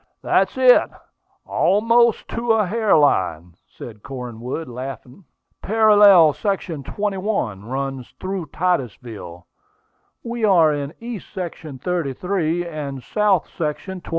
"That's it, almost to a hair line," said Cornwood, laughing. "Parallel section line 21 runs through Titusville. We are in east section 33, and south section 21.